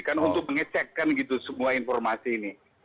kan untuk mengecekkan gitu semua informasi ini